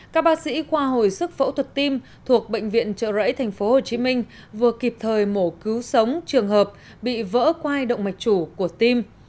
các bác sĩ khoa hồi sức phẫu thuật tim thuộc bệnh viện trợ rẫy tp hcm vừa kịp thời mổ cứu sống trường hợp bị vỡ qua động mạch chủ của tim